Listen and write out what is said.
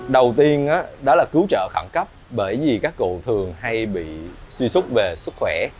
đầu tiên đó là cứu trợ khẳng cấp bởi vì các cụ thường hay bị suy súc về sức khỏe